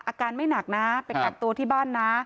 อาการไม่หนักนะไปกักตัวที่บ้านนะ